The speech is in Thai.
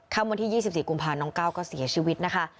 วันที่๒๔กุมภาน้องก้าวก็เสียชีวิตนะคะ